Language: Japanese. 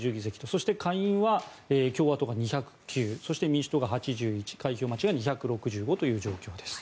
そして、下院は共和党が２０９そして民主党が８１開票待ちが２６５という状況です。